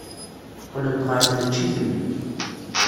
Qqlent ɣer tneččit-nni.